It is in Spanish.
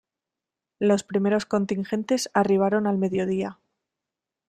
Los primeros contingentes arribaron al mediodía.